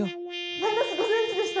マイナス５ｃｍでした。